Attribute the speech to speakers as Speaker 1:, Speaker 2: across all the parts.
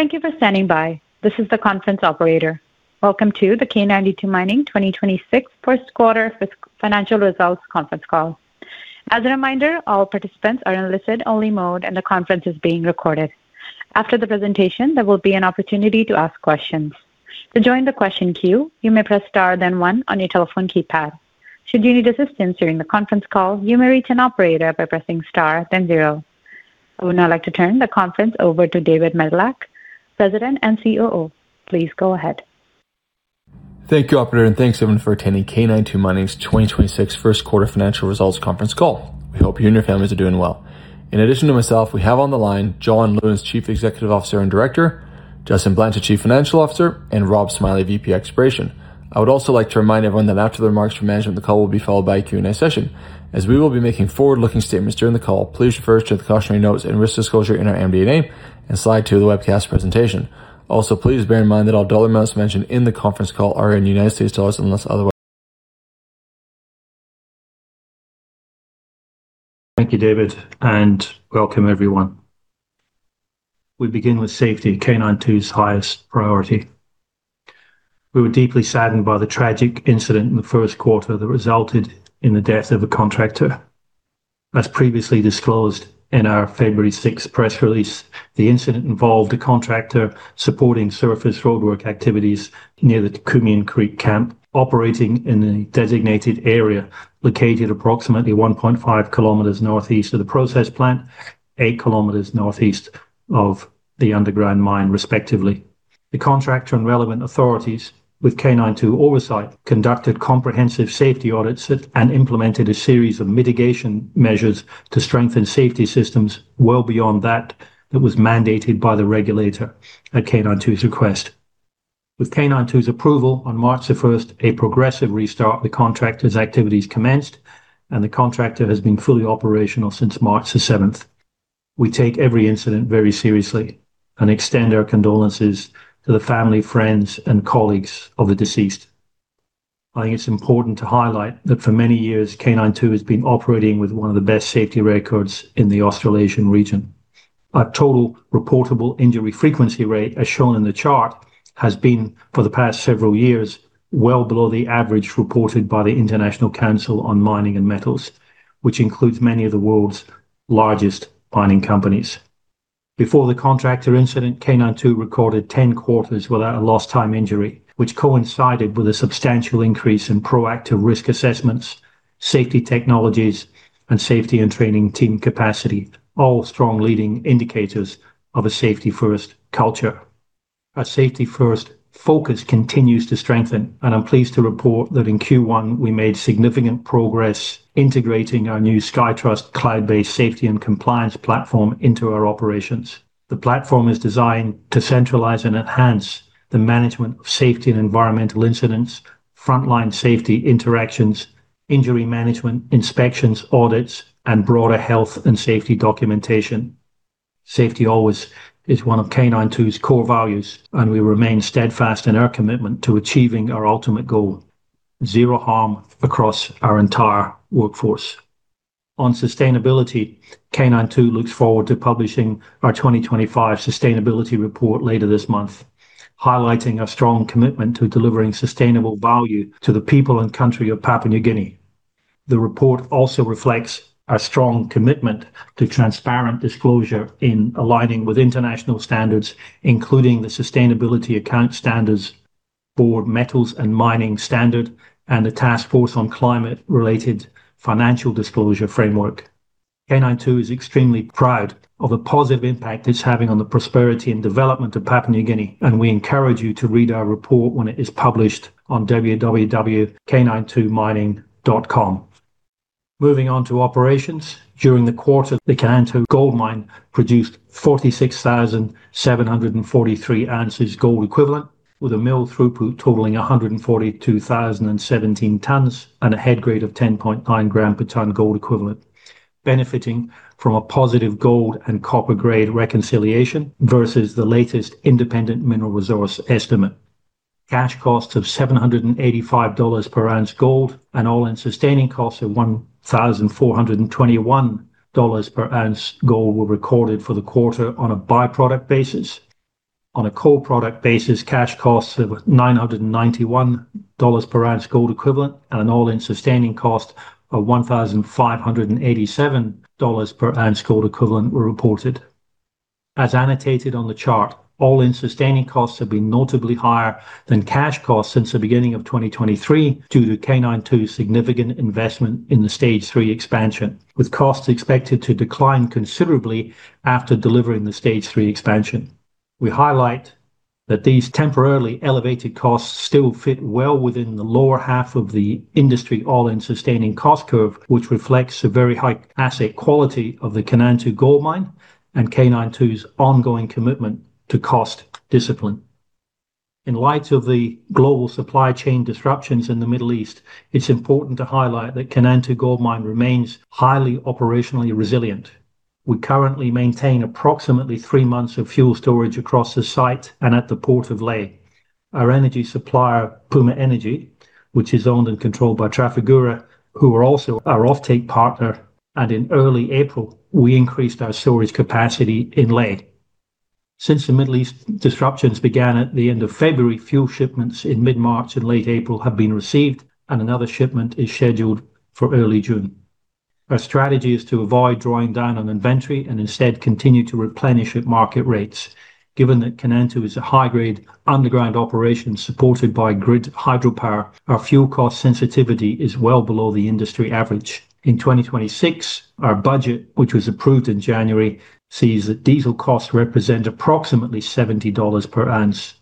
Speaker 1: Thank you for standing by. This is the conference operator. Welcome to the K92 Mining 2026 first quarter financial results conference call. As a reminder, all participants are in listen only mode, and the conference is being recorded. After the presentation, there will be an opportunity to ask questions. To join the question queue, you may press star then one on your telephone keypad. Should you need assistance during the conference call, you may reach an operator by pressing star then zero. I would now like to turn the conference over to David Medilek, President and COO. Please go ahead.
Speaker 2: Thank you, operator, and thanks, everyone, for attending K92 Mining's 2026 first quarter financial results conference call. We hope you and your families are doing well. In addition to myself, we have on the line John Lewins, Chief Executive Officer and Director, Justin Blanchet, Chief Financial Officer, and Rob Smillie, VP Exploration. I would also like to remind everyone that after the remarks from management, the call will be followed by a Q&A session. We will be making forward-looking statements during the call, please refer to the cautionary notes and risk disclosure in our MD&A in slide two of the webcast presentation. Please bear in mind that all dollar amounts mentioned in the conference call are in United States dollars unless otherwise.
Speaker 3: Thank you, David, and welcome, everyone. We begin with safety, K92's highest priority. We were deeply saddened by the tragic incident in the first quarter that resulted in the death of a contractor. As previously disclosed in our February 6th press release, the incident involved a contractor supporting surface roadwork activities near the Kumian Creek camp, operating in a designated area located approximately 1.5 km northeast of the process plant, 8 km northeast of the underground mine, respectively. The contractor and relevant authorities with K92 oversight conducted comprehensive safety audits and implemented a series of mitigation measures to strengthen safety systems well beyond that that was mandated by the regulator at K92's request. With K92's approval, on March 1st, a progressive restart of the contractor's activities commenced, and the contractor has been fully operational since March 7th. We take every incident very seriously and extend our condolences to the family, friends, and colleagues of the deceased. I think it's important to highlight that for many years, K92 has been operating with one of the best safety records in the Australasian region. Our total reportable injury frequency rate, as shown in the chart, has been, for the past several years, well below the average reported by the International Council on Mining and Metals, which includes many of the world's largest mining companies. Before the contractor incident, K92 recorded 10 quarters without a lost time injury, which coincided with a substantial increase in proactive risk assessments, safety technologies, and safety and training team capacity, all strong leading indicators of a safety-first culture. Our safety-first focus continues to strengthen. I'm pleased to report that in Q1, we made significant progress integrating our new Skytrust cloud-based safety and compliance platform into our operations. The platform is designed to centralize and enhance the management of safety and environmental incidents, frontline safety interactions, injury management, inspections, audits, and broader health and safety documentation. Safety always is one of K92's core values. We remain steadfast in our commitment to achieving our ultimate goal: zero harm across our entire workforce. On sustainability, K92 looks forward to publishing our 2025 sustainability report later this month, highlighting our strong commitment to delivering sustainable value to the people and country of Papua New Guinea. The report also reflects our strong commitment to transparent disclosure in aligning with international standards, including the Sustainability Accounting Standards for Metals and Mining Standard and the Task Force on Climate-related Financial Disclosures Framework. K92 is extremely proud of the positive impact it's having on the prosperity and development of Papua New Guinea, and we encourage you to read our report when it is published on www.k92mining.com. Moving on to operations. During the quarter, the Kainantu Gold Mine produced 46,743 ounces gold equivalent, with a mill throughput totaling 142,017 tons and a head grade of 10.9 gram per ton gold equivalent, benefiting from a positive gold and copper grade reconciliation versus the latest independent mineral resource estimate. Cash costs of $785 per ounce gold and all-in sustaining costs of $1,421 per ounce gold were recorded for the quarter on a byproduct basis. On a co-product basis, cash costs of $991 per ounce gold equivalent and an all-in sustaining cost of $1,587 per ounce gold equivalent were reported. As annotated on the chart, all-in sustaining costs have been notably higher than cash costs since the beginning of 2023 due to K92's significant investment in the Stage 3 expansion, with costs expected to decline considerably after delivering the Stage 3 expansion. We highlight that these temporarily elevated costs still fit well within the lower half of the industry all-in sustaining cost curve, which reflects a very high asset quality of the Kainantu Gold Mine and K92's ongoing commitment to cost discipline. In light of the global supply chain disruptions in the Middle East, it's important to highlight that Kainantu Gold Mine remains highly operationally resilient. We currently maintain approximately three months of fuel storage across the site and at the port of Lae. Our energy supplier, Puma Energy, which is owned and controlled by Trafigura, who are also our offtake partner. In early April, we increased our storage capacity in Lae. Since the Middle East disruptions began at the end of February, fuel shipments in mid-March and late April have been received. Another shipment is scheduled for early June. Our strategy is to avoid drawing down on inventory and instead continue to replenish at market rates. Given that Kainantu is a high-grade underground operation supported by grid hydropower, our fuel cost sensitivity is well below the industry average. In 2026, our budget, which was approved in January, sees that diesel costs represent approximately $70 per ounce.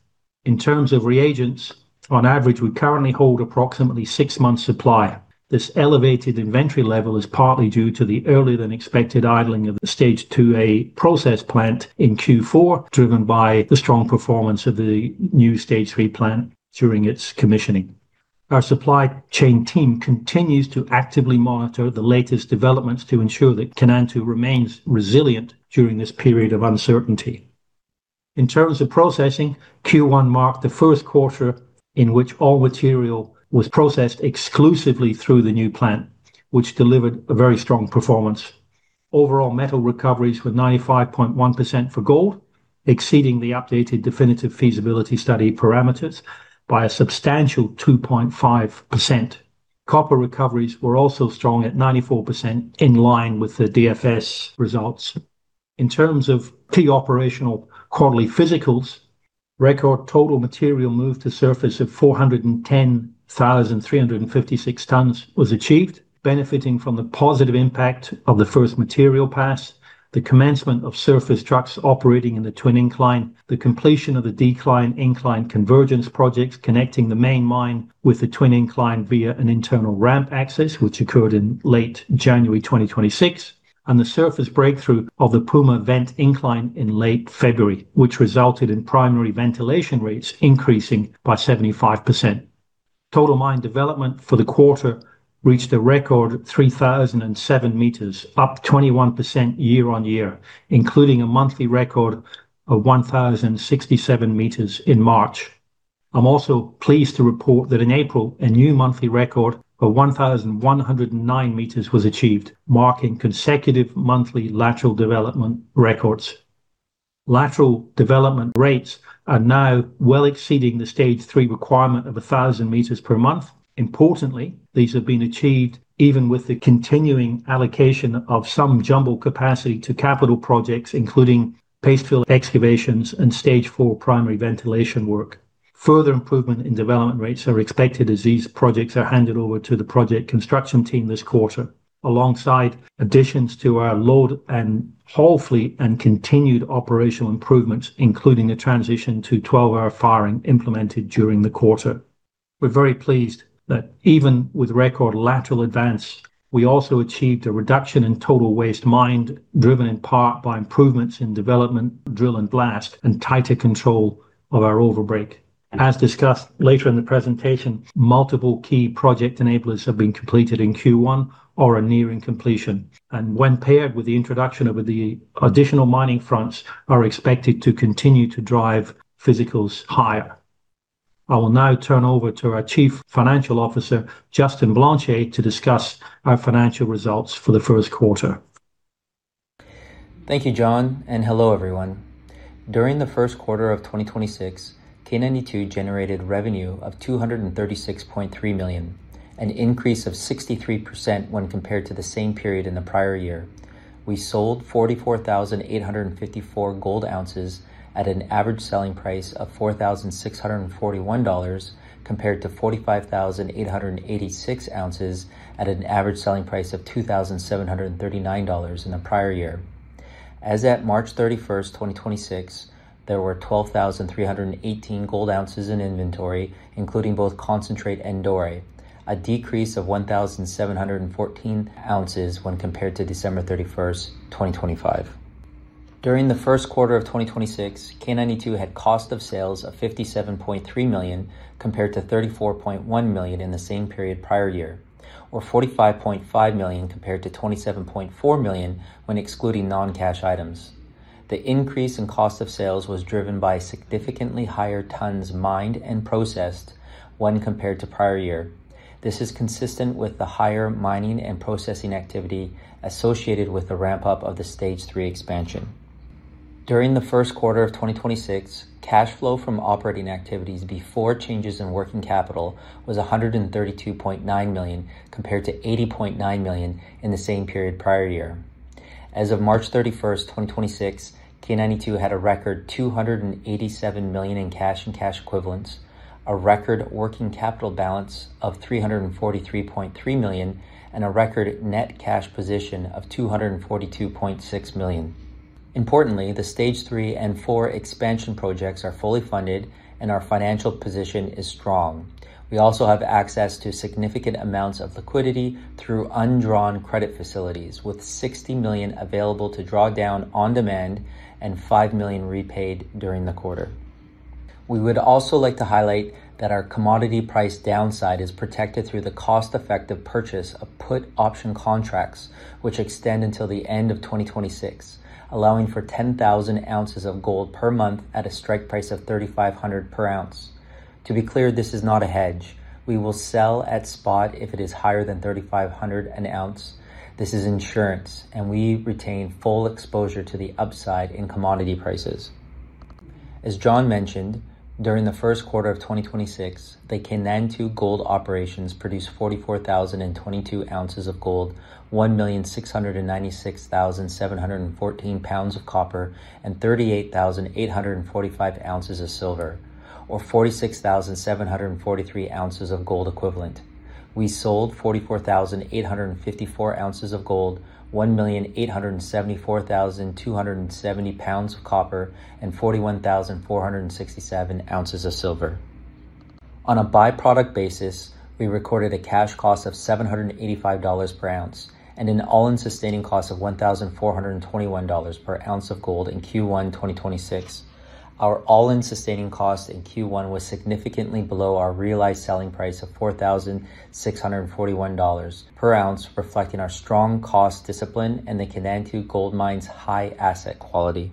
Speaker 3: In terms of reagents, on average, we currently hold approximately six months' supply. This elevated inventory level is partly due to the earlier than expected idling of the Stage 2A process plant in Q4, driven by the strong performance of the new Stage 3 plant during its commissioning. Our supply chain team continues to actively monitor the latest developments to ensure that Kainantu remains resilient during this period of uncertainty. In terms of processing, Q1 marked the first quarter in which all material was processed exclusively through the new plant, which delivered a very strong performance. Overall metal recoveries were 95.1% for gold, exceeding the updated definitive feasibility study parameters by a substantial 2.5%. Copper recoveries were also strong at 94% in line with the DFS results. In terms of key operational quarterly physicals, record total material moved to surface of 410,356 tons was achieved, benefiting from the positive impact of the first material pass, the commencement of surface trucks operating in the twin incline, the completion of the decline incline convergence projects connecting the main mine with the twin incline via an internal ramp access, which occurred in late January 2026, and the surface breakthrough of the Puma vent incline in late February, which resulted in primary ventilation rates increasing by 75%. Total mine development for the quarter reached a record 3,007 meters, up 21% year-on-year, including a monthly record of 1,067 meters in March. I'm also pleased to report that in April, a new monthly record for 1,109 meters was achieved, marking consecutive monthly lateral development records. Lateral development rates are now well exceeding the Stage 3 requirement of 1,000 meters per month. Importantly, these have been achieved even with the continuing allocation of some jumbo capacity to capital projects, including paste fill excavations and Stage 4 primary ventilation work. Further improvement in development rates are expected as these projects are handed over to the project construction team this quarter, alongside additions to our load and haul fleet and continued operational improvements, including a transition to 12-hour firing implemented during the quarter. We're very pleased that even with record lateral advance, we also achieved a reduction in total waste mined, driven in part by improvements in development, drill and blast, and tighter control of our overbreak. As discussed later in the presentation, multiple key project enablers have been completed in Q1 or are nearing completion, and when paired with the introduction of the additional mining fronts, are expected to continue to drive physicals higher. I will now turn over to our Chief Financial Officer, Justin Blanchet, to discuss our financial results for the first quarter.
Speaker 4: Thank you, John, and hello, everyone. During the first quarter of 2026, K92 generated revenue of $236.3 million, an increase of 63% when compared to the same period in the prior year. We sold 44,854 gold ounces at an average selling price of $4,641 compared to 45,886 ounces at an average selling price of $2,739 in the prior year. As at March 31st, 2026, there were 12,318 gold ounces in inventory, including both concentrate and doré, a decrease of 1,714 ounces when compared to December 31st, 2025. During the first quarter of 2026, K92 had cost of sales of $57.3 million compared to $34.1 million in the same period prior year, or $45.5 million compared to $27.4 million when excluding non-cash items. The increase in cost of sales was driven by significantly higher tons mined and processed when compared to prior year. This is consistent with the higher mining and processing activity associated with the ramp-up of the Stage 3 expansion. During the first quarter of 2026, cash flow from operating activities before changes in working capital was $132.9 million compared to $80.9 million in the same period prior year. As of March 31st, 2026, K92 had a record $287 million in cash and cash equivalents, a record working capital balance of $343.3 million, and a record net cash position of $242.6 million. Importantly, the Stage 3 and Stage 4 expansion projects are fully funded, and our financial position is strong. We also have access to significant amounts of liquidity through undrawn credit facilities, with $60 million available to draw down on demand and $5 million repaid during the quarter. We would also like to highlight that our commodity price downside is protected through the cost-effective purchase of put option contracts which extend until the end of 2026, allowing for 10,000 ounces of gold per month at a strike price of $3,500 per ounce. To be clear, this is not a hedge. We will sell at spot if it is higher than $3,500 an ounce. This is insurance, and we retain full exposure to the upside in commodity prices. As John mentioned, during the first quarter of 2026, the Kainantu gold operations produced 44,022 ounces of gold, 1,696,714 pounds of copper, and 38,845 ounces of silver, or 46,743 ounces of gold equivalent. We sold 44,854 ounces of gold, 1,874,270 pounds of copper, and 41,467 ounces of silver. On a byproduct basis, we recorded a cash cost of $785 per ounce and an all-in sustaining cost of $1,421 per ounce of gold in Q1 2026. Our all-in sustaining cost in Q1 was significantly below our realized selling price of $4,641 per ounce, reflecting our strong cost discipline and the Kainantu Gold Mine's high asset quality.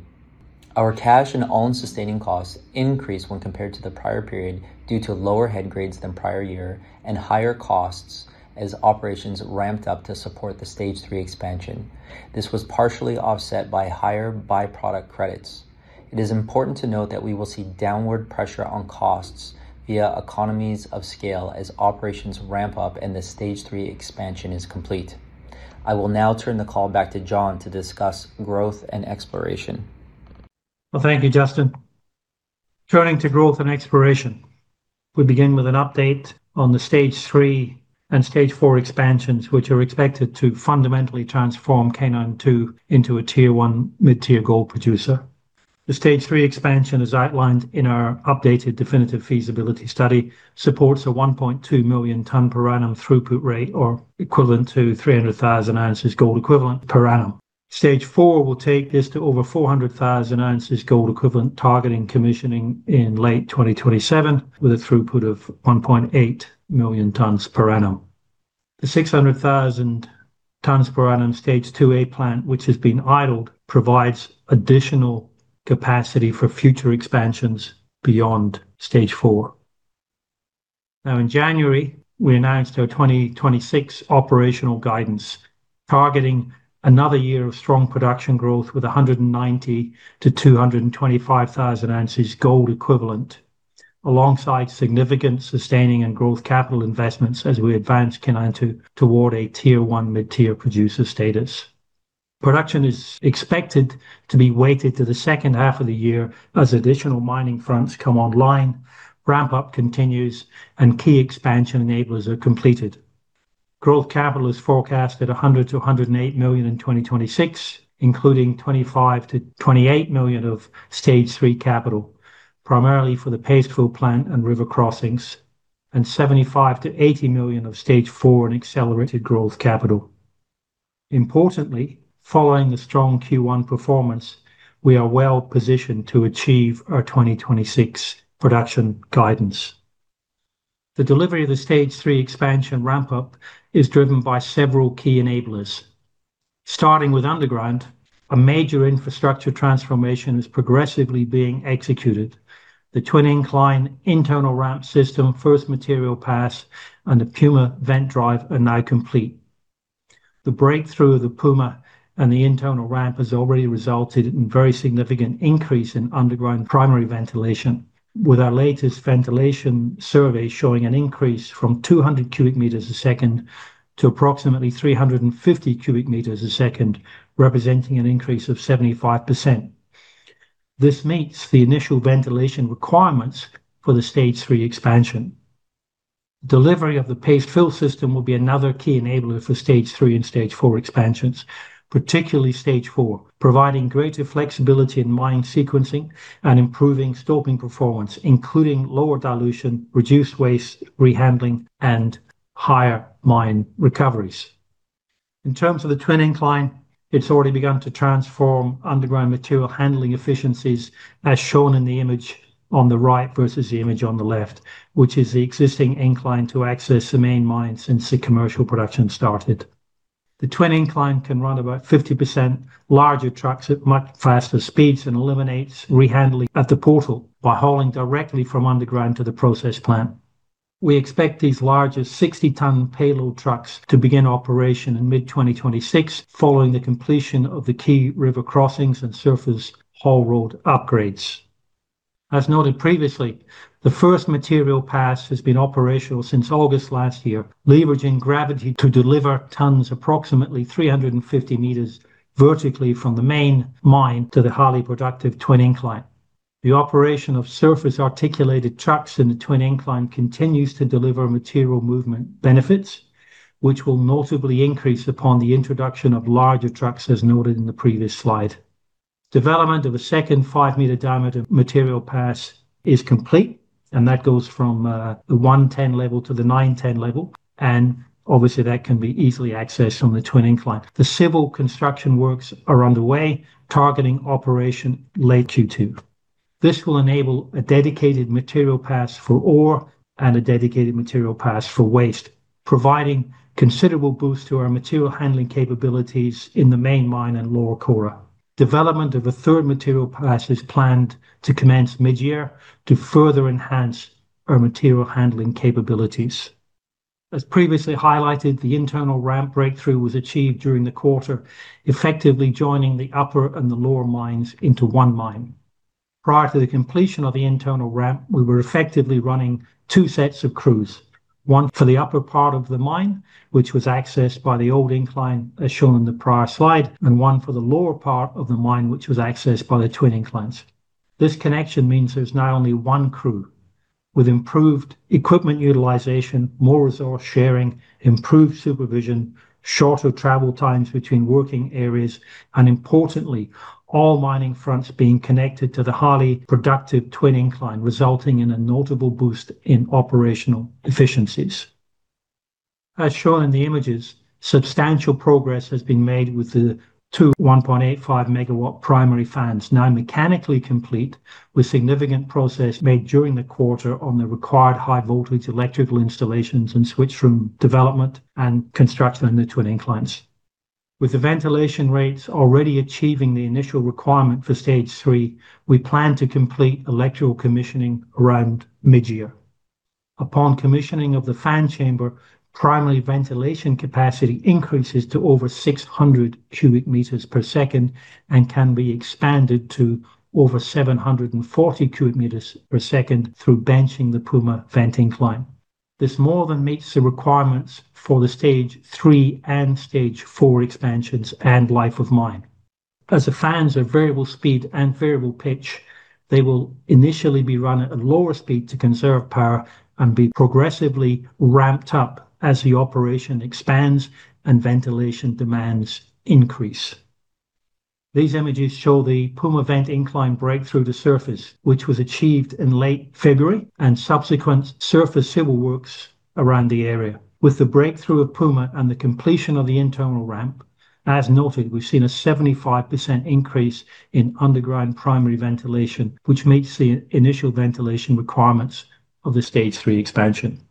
Speaker 4: Our cash and all-in sustaining costs increased when compared to the prior period due to lower head grades than prior year and higher costs as operations ramped up to support the Stage 3 expansion. This was partially offset by higher byproduct credits. It is important to note that we will see downward pressure on costs via economies of scale as operations ramp up and the Stage 3 expansion is complete. I will now turn the call back to John to discuss growth and exploration.
Speaker 3: Well, thank you, Justin. Turning to growth and exploration, we begin with an update on the Stage 3 and Stage 4 expansions, which are expected to fundamentally transform K92 into a tier-1 mid-tier gold producer. The Stage 3 expansion, as outlined in our updated definitive feasibility study, supports a 1.2 million ton per annum throughput rate or equivalent to 300,000 ounces gold equivalent per annum. Stage 4 will take this to over 400,000 ounces gold equivalent targeting commissioning in late 2027 with a throughput of 1.8 million tons per annum. The 600,000 tons per annum Stage 2A plant, which has been idled, provides additional capacity for future expansions beyond Stage 4. In January, we announced our 2026 operational guidance, targeting another year of strong production growth with 190,000-225,000 ounces gold equivalent, alongside significant sustaining and growth capital investments as we advance K92 toward a tier-1 mid-tier producer status. Production is expected to be weighted to the second half of the year as additional mining fronts come online, ramp-up continues, and key expansion enablers are completed. Growth capital is forecast at $100 million-$108 million in 2026, including $25 million-$28 million of Stage 3 capital, primarily for the paste fill plant and river crossings, and $75 million-$80 million of Stage 4 in accelerated growth capital. Importantly, following the strong Q1 performance, we are well-positioned to achieve our 2026 production guidance. The delivery of the Stage 3 expansion ramp-up is driven by several key enablers. Starting with underground, a major infrastructure transformation is progressively being executed. The twin incline internal ramp system, first material pass, and the Puma vent drive are now complete. The breakthrough of the Puma and the internal ramp has already resulted in very significant increase in underground primary ventilation, with our latest ventilation survey showing an increase from 200 cubic meters a second to approximately 350 cubic meters a second, representing an increase of 75%. This meets the initial ventilation requirements for the Stage 3 expansion. Delivery of the paste fill system will be another key enabler for Stage 3 and Stage 4 expansions, particularly Stage 4, providing greater flexibility in mining sequencing and improving stopping performance, including lower dilution, reduced waste rehandling, and higher mine recoveries. In terms of the twin incline, it has already begun to transform underground material handling efficiencies, as shown in the image on the right versus the image on the left, which is the existing incline to access the main mine since the commercial production started. The twin incline can run about 50% larger trucks at much faster speeds and eliminates rehandling at the portal by hauling directly from underground to the process plant. We expect these larger 60 ton payload trucks to begin operation in mid-2026 following the completion of the key river crossings and surface haul road upgrades. As noted previously, the first material pass has been operational since August last year, leveraging gravity to deliver tons approximately 350 meters vertically from the main mine to the highly productive twin incline. The operation of surface articulated trucks in the twin incline continues to deliver material movement benefits, which will notably increase upon the introduction of larger trucks as noted in the previous slide. Development of a second 5-meter diameter material pass is complete. That goes from the 110 level to the 910 level, and obviously that can be easily accessed on the twin incline. The civil construction works are underway, targeting operation late Q2. This will enable a dedicated material pass for ore and a dedicated material pass for waste, providing considerable boost to our material handling capabilities in the main mine and Lower Kora. Development of a third material pass is planned to commence mid-year to further enhance our material handling capabilities. As previously highlighted, the internal ramp breakthrough was achieved during the quarter, effectively joining the upper and the lower mines into one mine. Prior to the completion of the internal ramp, we were effectively running two sets of crews, one for the upper part of the mine, which was accessed by the old incline, as shown in the prior slide, and one for the lower part of the mine, which was accessed by the twin inclines. This connection means there's now only one crew with improved equipment utilization, more resource sharing, improved supervision, shorter travel times between working areas, and importantly, all mining fronts being connected to the highly productive twin incline, resulting in a notable boost in operational efficiencies. As shown in the images, substantial progress has been made with the 2 1.85 MW primary fans now mechanically complete with significant progress made during the quarter on the required high voltage electrical installations and switchroom development and construction in the twin inclines. With the ventilation rates already achieving the initial requirement for Stage 3, we plan to complete electrical commissioning around mid-year. Upon commissioning of the fan chamber, primary ventilation capacity increases to over 600 cubic meters per second and can be expanded to over 740 cubic meters per second through benching the Puma vent incline. This more than meets the requirements for the Stage 3 and Stage 4 expansions and life of mine. The fans are variable speed and variable pitch, they will initially be run at a lower speed to conserve power and be progressively ramped up as the operation expands and ventilation demands increase. These images show the Puma vent incline breakthrough the surface, which was achieved in late February and subsequent surface civil works around the area. With the breakthrough of Puma and the completion of the internal ramp, as noted, we've seen a 75% increase in underground primary ventilation, which meets the initial ventilation requirements of the Stage 3 expansion.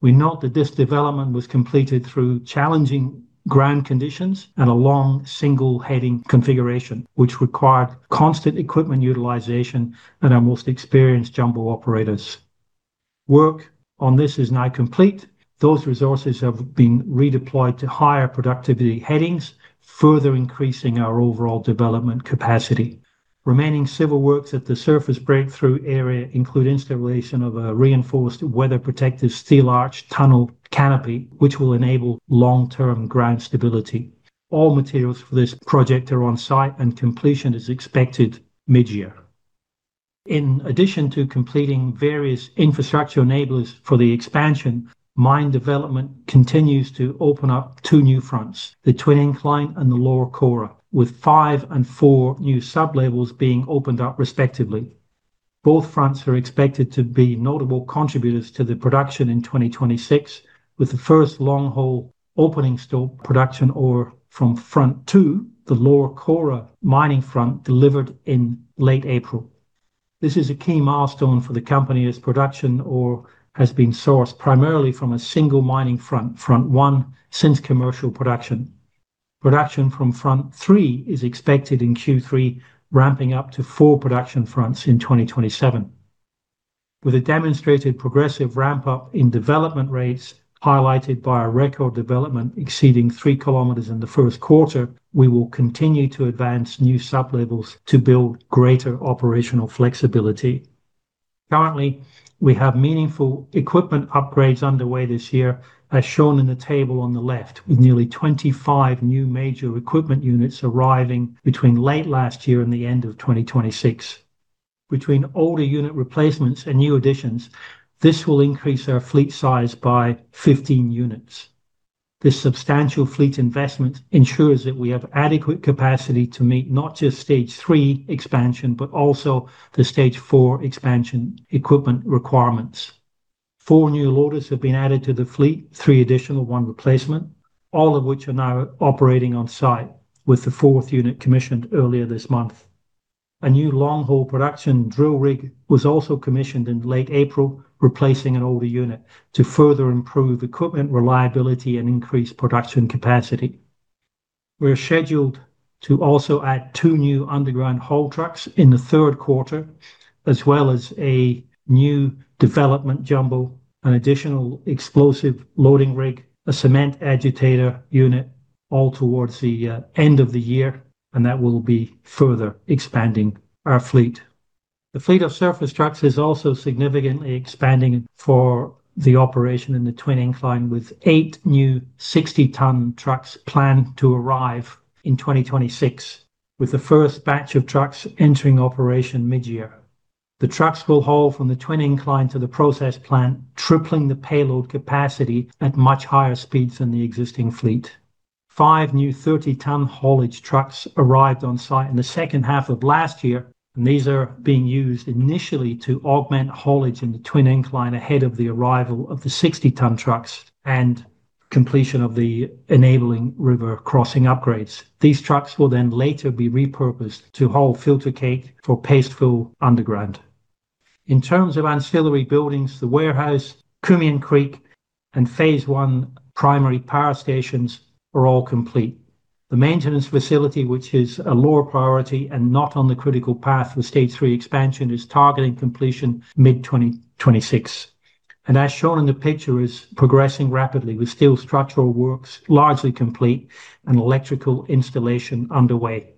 Speaker 3: We note that this development was completed through challenging ground conditions and a long single heading configuration, which required constant equipment utilization and our most experienced jumbo operators. Work on this is now complete. Those resources have been redeployed to higher productivity headings, further increasing our overall development capacity. Remaining civil works at the surface breakthrough area include installation of a reinforced weather protective steel arch tunnel canopy, which will enable long-term ground stability. All materials for this project are on site and completion is expected mid-year. In addition to completing various infrastructure enablers for the expansion, mine development continues to open up two new fronts, the twin incline and the Lower Kora, with five and four new sub-levels being opened up respectively. Both fronts are expected to be notable contributors to the production in 2026, with the first long-hole opening stope production ore from front two, the Lower Kora mining front delivered in late April. This is a key milestone for the company as production ore has been sourced primarily from a single mining front one, since commercial production. Production from front three is expected in Q3, ramping up to four production fronts in 2027. With a demonstrated progressive ramp-up in development rates highlighted by a record development exceeding 3 km in the first quarter, we will continue to advance new sub-levels to build greater operational flexibility. Currently, we have meaningful equipment upgrades underway this year, as shown in the table on the left, with nearly 25 new major equipment units arriving between late last year and the end of 2026. Between older unit replacements and new additions, this will increase our fleet size by 15 units. This substantial fleet investment ensures that we have adequate capacity to meet not just Stage 3 expansion, but also the Stage 4 expansion equipment requirements. four new loaders have been added to the fleet, three additional, one replacement, all of which are now operating on site, with the fourth unit commissioned earlier this month. A new long-hole production drill rig was also commissioned in late April, replacing an older unit to further improve equipment reliability and increase production capacity. We're scheduled to also add two new underground haul trucks in the third quarter, as well as a new development jumbo, an additional explosive loading rig, a cement agitator unit all towards the end of the year, and that will be further expanding our fleet. The fleet of surface trucks is also significantly expanding for the operation in the twin incline, with eight new 60-ton trucks planned to arrive in 2026, with the first batch of trucks entering operation mid-year. The trucks will haul from the twin incline to the process plant, tripling the payload capacity at much higher speeds than fleet. Five new 30-ton haulage trucks arrived on site in the second half of last year, and these are being used initially to augment haulage in the twin incline ahead of the arrival of the 60-ton trucks and completion of the enabling river crossing upgrades. These trucks will then later be repurposed to haul filter cake for paste fill underground. In terms of ancillary buildings, the warehouse, Kumian Creek, and phase I primary power stations are all complete. The maintenance facility, which is a lower priority and not on the critical path for Stage 3 expansion, is targeting completion mid-2026. As shown in the picture, is progressing rapidly, with steel structural works largely complete and electrical installation underway.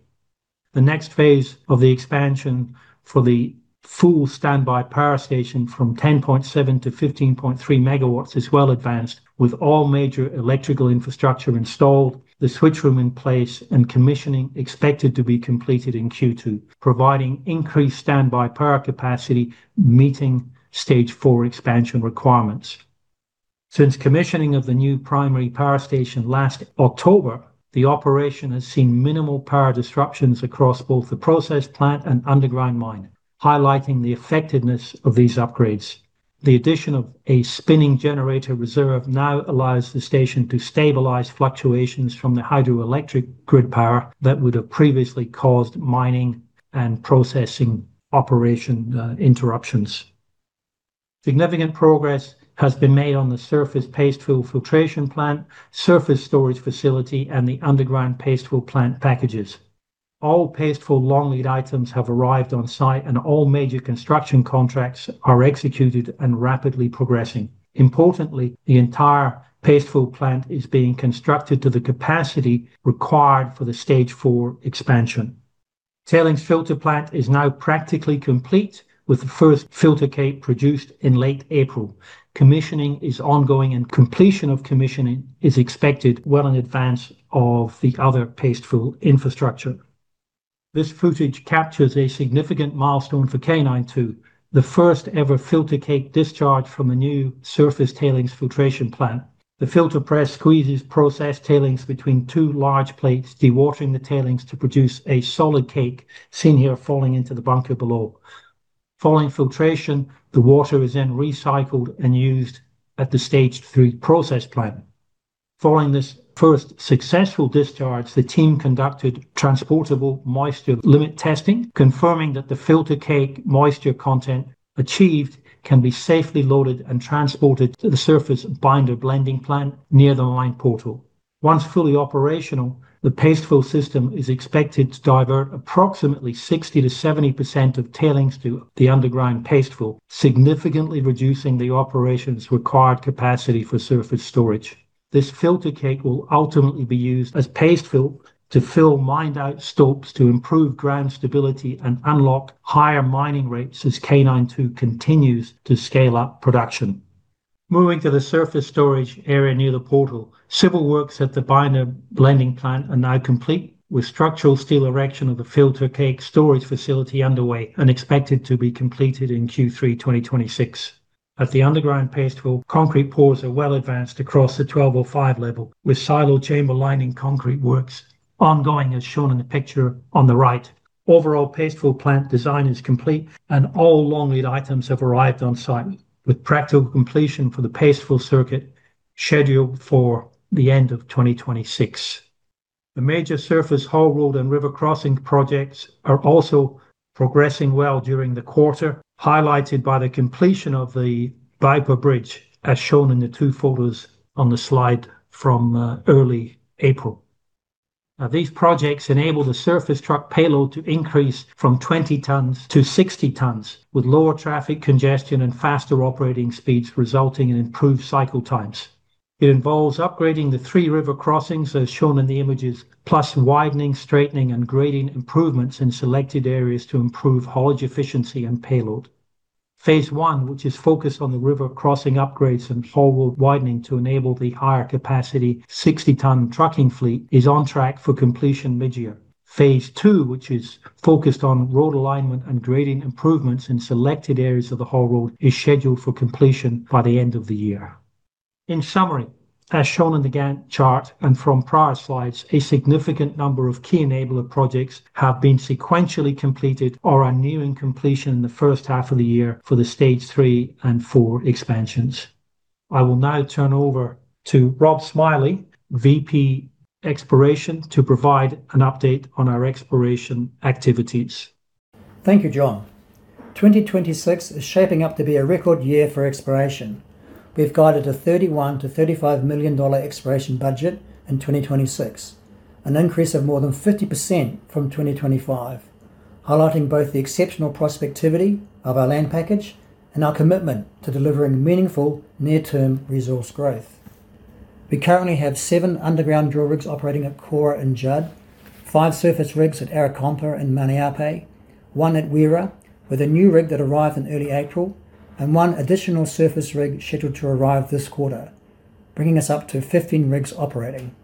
Speaker 3: The next phase of the expansion for the full standby power station from 10.7 MW to 15.3 MW is well advanced, with all major electrical infrastructure installed, the switch room in place, and commissioning expected to be completed in Q2, providing increased standby power capacity, meeting Stage 4 expansion requirements. Since commissioning of the new primary power station last October, the operation has seen minimal power disruptions across both the process plant and underground mine, highlighting the effectiveness of these upgrades. The addition of a spinning generator reserve now allows the station to stabilize fluctuations from the hydroelectric grid power that would have previously caused mining and processing operation interruptions. Significant progress has been made on the surface paste fill filtration plant, surface storage facility, and the underground paste fill plant packages. All paste fill long lead items have arrived on site, and all major construction contracts are executed and rapidly progressing. Importantly, the entire paste fill plant is being constructed to the capacity required for the Stage 4 expansion. Tailings filter plant is now practically complete, with the first filter cake produced in late April. Commissioning is ongoing, and completion of commissioning is expected well in advance of the other paste fill infrastructure. This footage captures a significant milestone for K92, the first ever filter cake discharge from a new surface tailings filtration plant. The filter press squeezes processed tailings between two large plates, dewatering the tailings to produce a solid cake, seen here falling into the bunker below. Following filtration, the water is then recycled and used at the Stage 3 process plant. Following this first successful discharge, the team conducted transportable moisture limit testing, confirming that the filter cake moisture content achieved can be safely loaded and transported to the surface binder blending plant near the mine portal. Once fully operational, the paste fill system is expected to divert approximately 60%-70% of tailings to the underground paste fill, significantly reducing the operation's required capacity for surface storage. This filter cake will ultimately be used as paste fill to fill mined out stopes to improve ground stability and unlock higher mining rates as K92 continues to scale up production. Moving to the surface storage area near the portal, civil works at the binder blending plant are now complete, with structural steel erection of the filter cake storage facility underway and expected to be completed in Q3 2026. At the underground paste fill, concrete pours are well advanced across the 1205 level, with silo chamber lining concrete works ongoing, as shown in the picture on the right. Overall paste fill plant design is complete, and all long lead items have arrived on site, with practical completion for the paste fill circuit scheduled for the end of 2026. The major surface haul road and river crossing projects are also progressing well during the quarter, highlighted by the completion of the Pipian Bridge, as shown in the two photos on the slide from early April. Now, these projects enable the surface truck payload to increase from 20 tons to 60 tons, with lower traffic congestion and faster operating speeds resulting in improved cycle times. It involves upgrading the three river crossings, as shown in the images, plus widening, straightening, and grading improvements in selected areas to improve haulage efficiency payload. Phase I, which is focused on the river crossing upgrades and haul road widening to enable the higher capacity 60-ton trucking fleet, is on track for completion mid-year. Phase II, which is focused on road alignment and grading improvements in selected areas of the haul road, is scheduled for completion by the end of the year. In summary, as shown in the Gantt chart and from prior slides, a significant number of key enabler projects have been sequentially completed or are nearing completion in the first half of the year for the Stage 3 and 4 expansions. I will now turn over to Rob Smillie, VP Exploration, to provide an update on our exploration activities.
Speaker 5: Thank you, John. 2026 is shaping up to be a record year for exploration. We've guided a $31 million to $35 million exploration budget in 2026, an increase of more than 50% from 2025, highlighting both the exceptional prospectivity of our land package and our commitment to delivering meaningful near-term resource growth. We currently have seven underground drill rigs operating at Kora and Judd, five surface rigs at Arakompa and Maniape, one at Wira, with a new rig that arrived in early April, and one additional surface rig scheduled to arrive this quarter, bringing us up to 15 rigs operating.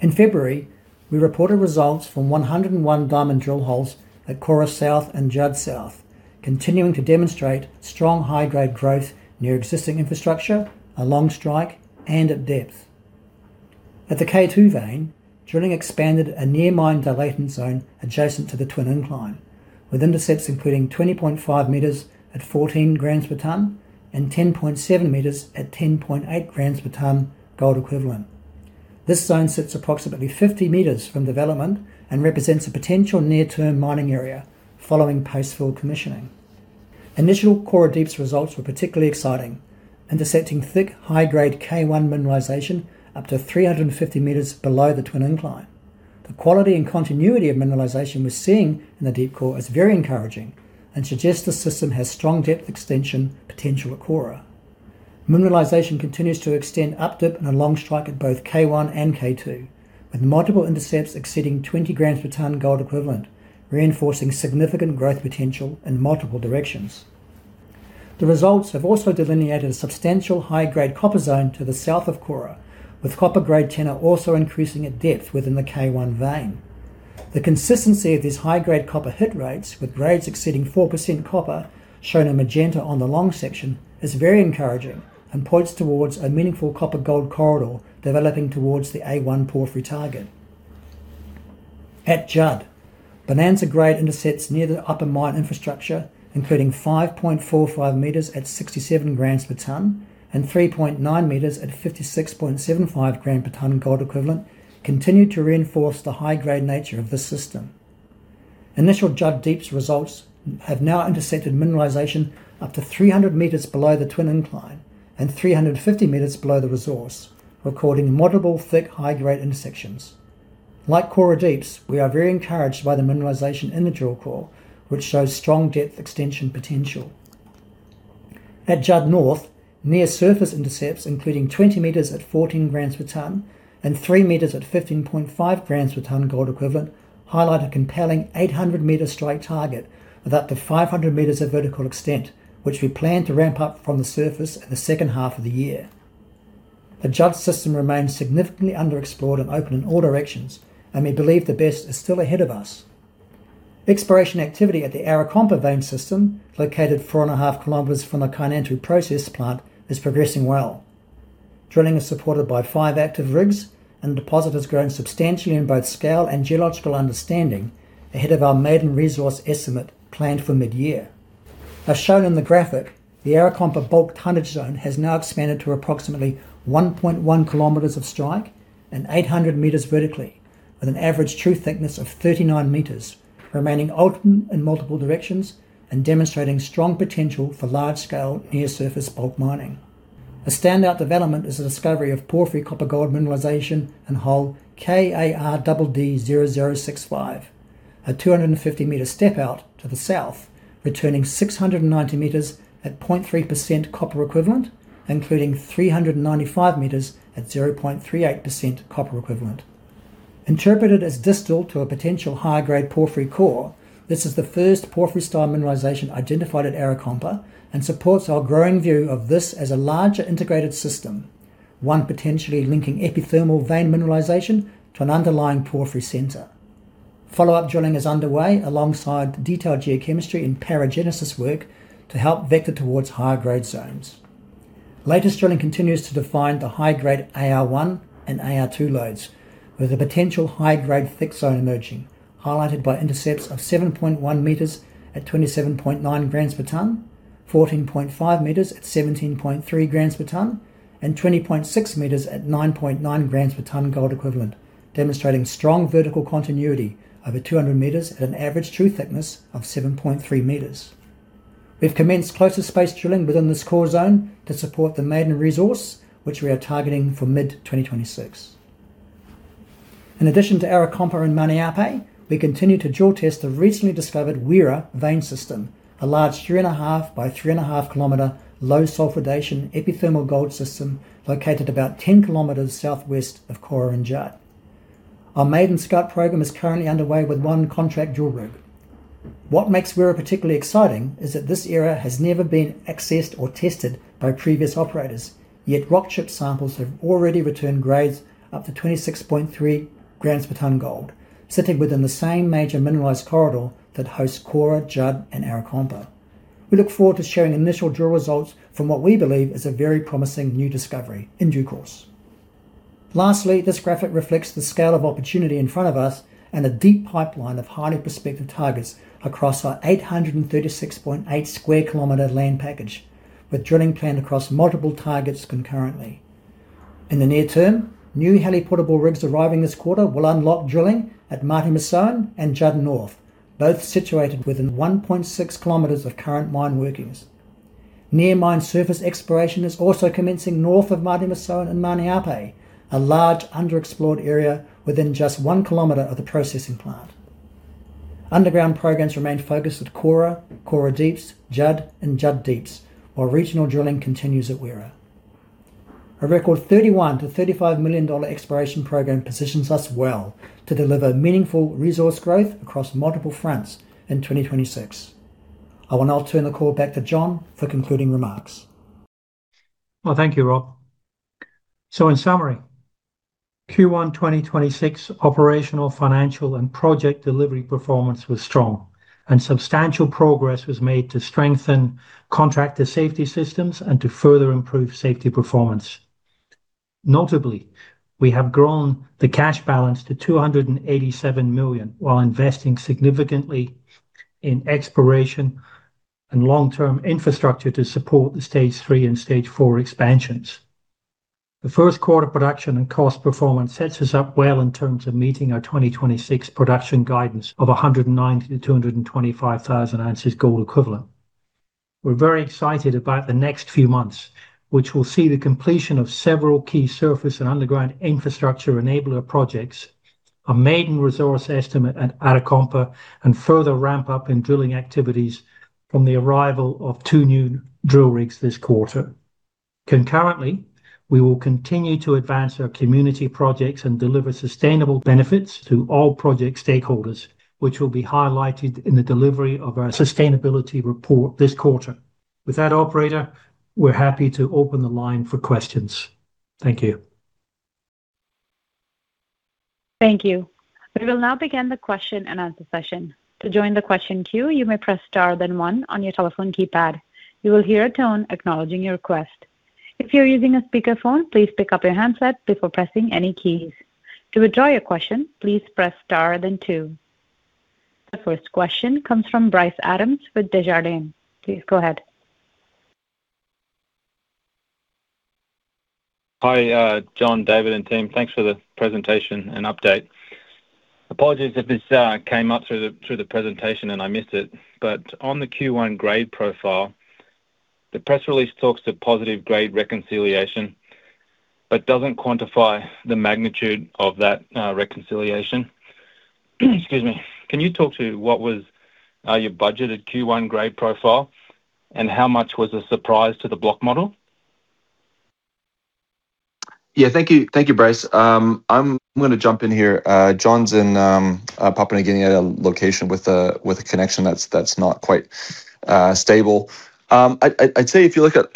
Speaker 5: In February, we reported results from 101 diamond drill holes at Kora South and Judd South. Continuing to demonstrate strong high-grade growth near existing infrastructure, along strike, and at depth. At the K2 vein, drilling expanded a near mine dilating zone adjacent to the twin incline, with intercepts including 20.5 meters at 14 grams per ton and 10.7 meters at 10.8 grams per ton gold equivalent. This zone sits approximately 50 meters from development and represents a potential near-term mining area following paste fill commissioning. Initial Kora Deeps results were particularly exciting, intercepting thick high-grade K1 mineralization up to 350 meters below the twin incline. The quality and continuity of mineralization we're seeing in the deep Kora is very encouraging and suggests the system has strong depth extension potential at Kora. Mineralization continues to extend up dip in a long strike at both K1 and K2, with multiple intercepts exceeding 20 grams per ton gold equivalent, reinforcing significant growth potential in multiple directions. The results have also delineated a substantial high-grade copper zone to the south of Kora, with copper grade tenor also increasing at depth within the K1 vein. The consistency of these high-grade copper hit rates with grades exceeding 4% copper shown in magenta on the long section is very encouraging and points towards a meaningful copper gold corridor developing towards the A1 porphyry target. At Judd, bonanza grade intercepts near the upper mine infrastructure, including 5.45 meters at 67 grams per ton and 3.9 meters at 56.75 grams per ton gold equivalent, continue to reinforce the high-grade nature of the system. Initial Judd Deeps results have now intercepted mineralization up to 300 meters below the twin incline and 350 meters below the resource, recording multiple thick high-grade intersections. Like Kora Deeps, we are very encouraged by the mineralization in the drill core, which shows strong depth extension potential. At Judd North, near surface intercepts including 20 meters at 14 grams per ton and 3 meters at 15.5 grams per ton gold equivalent highlight a compelling 800 meter strike target with up to 500 meters of vertical extent, which we plan to ramp up from the surface in the second half of the year. The Judd system remains significantly underexplored and open in all directions. We believe the best is still ahead of us. Exploration activity at the Arakompa vein system, located 4.5 km from the Kainantu process plant, is progressing well. Drilling is supported by five active rigs. The deposit has grown substantially in both scale and geological understanding ahead of our maiden resource estimate planned for mid-year. As shown in the graphic, the Arakompa bulk tonnage zone has now expanded to approximately 1.1 km of strike and 800 meters vertically, with an average true thickness of 39 meters, remaining open in multiple directions and demonstrating strong potential for large-scale near surface bulk mining. A standout development is the discovery of porphyry copper gold mineralization in hole KARDD0065, a 250 meter step out to the south, returning 690 meters at 0.3% copper equivalent, including 395 meters at 0.38% copper equivalent. Interpreted as distal to a potential high-grade porphyry core, this is the first porphyry style mineralization identified at Arakompa and supports our growing view of this as a larger integrated system, one potentially linking epithermal vein mineralization to an underlying porphyry center. Follow-up drilling is underway alongside detailed geochemistry and paragenesis work to help vector towards higher grade zones. Latest drilling continues to define the high-grade AR1 and AR2 lodes, with a potential high-grade thick zone emerging, highlighted by intercepts of 7.1 meters at 27.9 grams per ton, 14.5 meters at 17.3 grams per ton, and 20.6 meters at 9.9 grams per ton gold equivalent, demonstrating strong vertical continuity over 200 meters at an average true thickness of 7.3 meters. We've commenced closer space drilling within this core zone to support the maiden resource, which we are targeting for mid-2026. In addition to Arakompa and Maniape, we continue to drill test the recently discovered Wira vein system, a large 3.5 by 3.5 km low sulphidation epithermal gold system located about 10 km southwest of Kora and Judd. Our maiden scout program is currently underway with one contract drill rig. What makes Wira particularly exciting is that this area has never been accessed or tested by previous operators, yet rock chip samples have already returned grades up to 26.3 grams per ton gold, sitting within the same major mineralized corridor that hosts Kora, Judd, and Arakompa. We look forward to sharing initial drill results from what we believe is a very promising new discovery in due course. Lastly, this graphic reflects the scale of opportunity in front of us and a deep pipeline of highly prospective targets across our 836.8 sq km land package, with drilling planned across multiple targets concurrently. In the near term, new heli-portable rigs arriving this quarter will unlock drilling at Mati-Mesoan and Judd North, both situated within 1.6 km of current mine workings. Near mine surface exploration is also commencing north of Mati-Mesoan and Maniape, a large underexplored area within just 1 km of the processing plant. Underground programs remain focused at Kora Deep, Judd, and Judd Deep, while regional drilling continues at Wira. A record $31 million-$35 million exploration program positions us well to deliver meaningful resource growth across multiple fronts in 2026. I will now turn the call back to John for concluding remarks.
Speaker 3: Well, thank you, Rob. In summary, Q1 2026 operational, financial, and project delivery performance was strong, and substantial progress was made to strengthen contractor safety systems and to further improve safety performance. Notably, we have grown the cash balance to $287 million, while investing significantly in exploration and long-term infrastructure to support the Stage 3 and Stage 4 expansions. The first quarter production and cost performance sets us up well in terms of meeting our 2026 production guidance of 190,000-225,000 ounces gold equivalent. We're very excited about the next few months, which will see the completion of several key surface and underground infrastructure enabler projects, a maiden resource estimate at Arakompa, and further ramp up in drilling activities from the arrival of two new drill rigs this quarter. Concurrently, we will continue to advance our community projects and deliver sustainable benefits to all project stakeholders, which will be highlighted in the delivery of our sustainability report this quarter. With that, operator, we are happy to open the line for questions. Thank you.
Speaker 1: Thank you. We will now begin the question and answer session. The first question comes from Bryce Adams with Desjardins. Please go ahead.
Speaker 6: Hi, John, David, and team. Thanks for the presentation and update. Apologies if this came up through the, through the presentation and I missed it. On the Q1 grade profile, the press release talks to positive grade reconciliation but doesn't quantify the magnitude of that reconciliation. Excuse me. Can you talk to what was your budgeted Q1 grade profile, and how much was a surprise to the block model?
Speaker 2: Yeah, thank you. Thank you, Bryce. I'm going to jump in here. John is in a Papua New Guinea location with a connection that's not quite stable. I'd say if you look at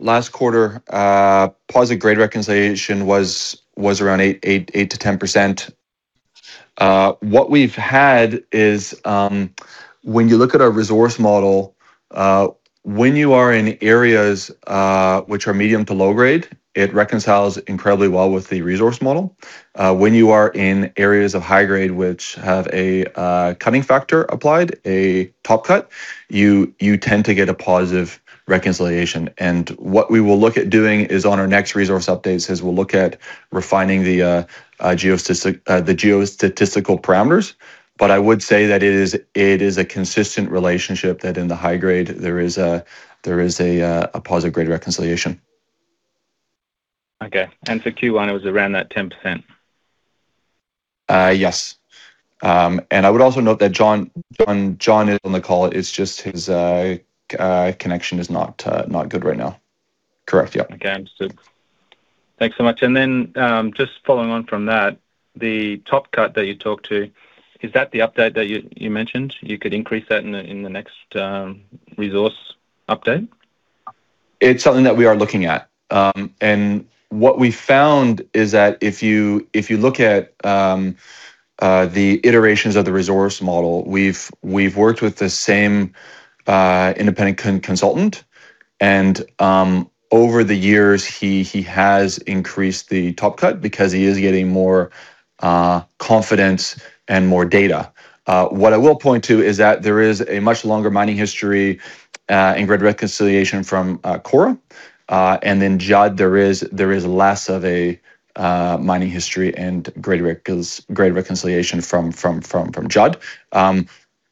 Speaker 2: last quarter, positive grade reconciliation was around 8%-10%. What we've had is when you look at our resource model, when you are in areas which are medium to low grade, it reconciles incredibly well with the resource model. When you are in areas of high grade which have a cutting factor applied, a top cut, you tend to get a positive reconciliation. What we will look at doing is on our next resource updates is we'll look at refining the geostatistical parameters. I would say that it is a consistent relationship that in the high grade there is a positive grade reconciliation.
Speaker 6: Okay. For Q1, it was around that 10%?
Speaker 2: Yes. I would also note that John is on the call, it's just his connection is not good right now. Correct. Yep.
Speaker 6: Okay. Understood. Thanks so much. Just following on from that, the top cut that you talked to, is that the update that you mentioned you could increase that in the next resource update?
Speaker 2: It's something that we are looking at. What we found is that if you, if you look at the iterations of the resource model, we've worked with the same independent consultant and over the years he has increased the top cut because he is getting more confidence and more data. What I will point to is that there is a much longer mining history in grade reconciliation from Kora. Then Judd there is less of a mining history and grade reconciliation from Judd.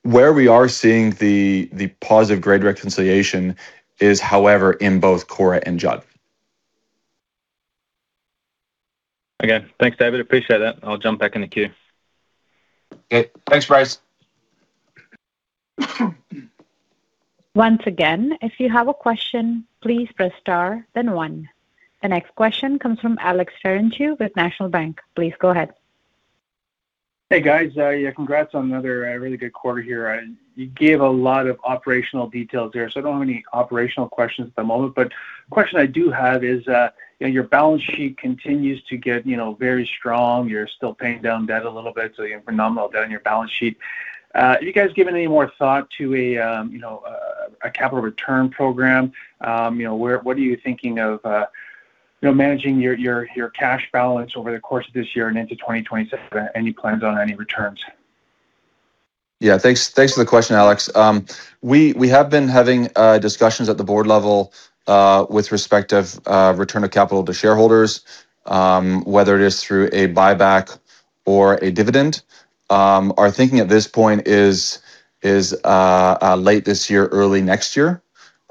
Speaker 2: Where we are seeing the positive grade reconciliation is, however, in both Kora and Judd.
Speaker 6: Okay. Thanks, David. Appreciate that. I'll jump back in the queue.
Speaker 2: Okay. Thanks, Bryce.
Speaker 1: The next question comes from Alex Terentiew with National Bank. Please go ahead.
Speaker 7: Hey, guys. Yeah, congrats on another really good quarter here. You gave a lot of operational details there, I don't have any operational questions at the moment. The question I do have is, you know, your balance sheet continues to get, you know, very strong. You're still paying down debt a little bit, so you have phenomenal debt on your balance sheet. Have you guys given any more thought to a, you know, a capital return program? You know, what are you thinking of, you know, managing your cash balance over the course of this year and into 2027? Any plans on any returns?
Speaker 2: Yeah. Thanks, thanks for the question, Alex Terentiew. We have been having discussions at the board level with respect of return of capital to shareholders, whether it is through a buyback or a dividend. Our thinking at this point is late this year, early next year.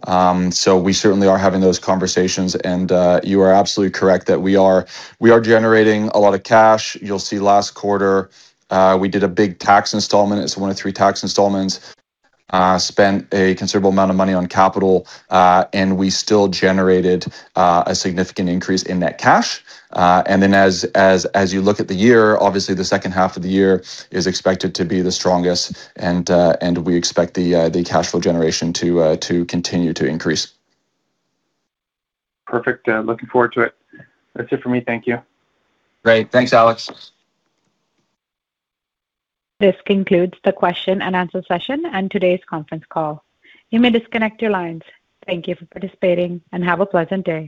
Speaker 2: We certainly are having those conversations and you are absolutely correct that we are generating a lot of cash. You'll see last quarter, we did a big tax installment. It's one of three tax installments. Spent a considerable amount of money on capital and we still generated a significant increase in net cash. As you look at the year, obviously the second half of the year is expected to be the strongest and we expect the cash flow generation to continue to increase.
Speaker 7: Perfect. Looking forward to it. That's it for me. Thank you.
Speaker 2: Great. Thanks, Alex.
Speaker 1: This concludes the question and answer session and today's conference call. You may disconnect your lines. Thank you for participating and have a pleasant day.